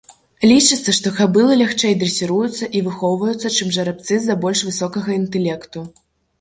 Лічыцца, што кабылы лягчэй дрэсіруюцца і выхоўваюцца, чым жарабцы з-за больш высокага інтэлекту.